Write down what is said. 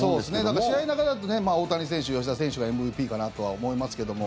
だから、試合の中だと大谷選手、吉田選手がＭＶＰかなとは思いますけども。